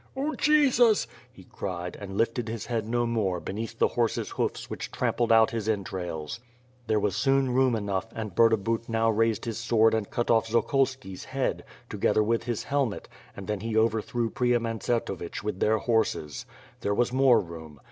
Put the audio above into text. "0 Jesus,'' he cried, and lifted his head no more beneath the horse's hoofs which trampled out his entrails. There was soon room enough and Burdabut now raised his sword and cut oif Zokolski's head, together with his helmet, and then he overthrew Priam and Tsertovich witli tlieir horses. There was more room.